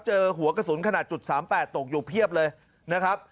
เจอหัวกระสุนขนาด๓๘ตกอยู่เพียบเลยนะครับ